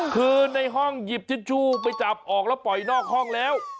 คือในห้องหยิบทิชชู่ไปจับออกแล้วปล่อยนอกห้องแล้ว